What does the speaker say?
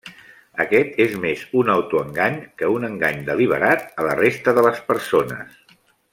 Aquest és més un autoengany que un engany deliberat a la resta de les persones.